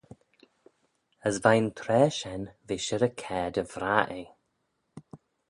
As veih'n traa shen v'eh shirrey caa dy vrah eh.